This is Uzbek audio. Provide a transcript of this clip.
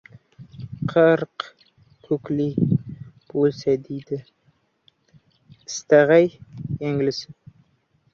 Qirq kokil bo‘lsin deydi, qistaydi yangasini